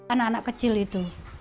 anak anak kecil itu